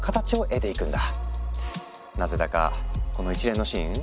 なぜだかこの一連のシーン